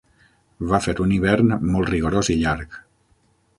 Va fer un hivern molt rigorós i llarg.